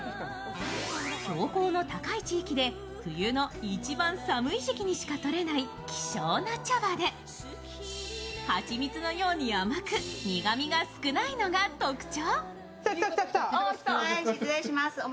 標高の高い地域で冬の一番寒い時期にしかとれない貴重な茶葉で蜂蜜のように甘く苦みが少ないのが特徴。